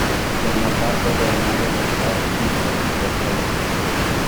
Formó parte del modelo star-system de Hollywood.